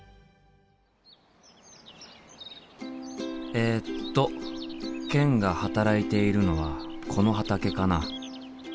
えっとケンが働いているのはこの畑かな？